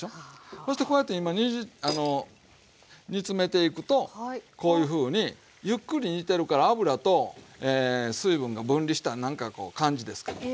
そしてこうやって今煮詰めていくとこういうふうにゆっくり煮てるから油と水分が分離したなんかこう感じですけども。